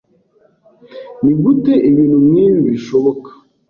Nigute ibintu nkibi bishoboka?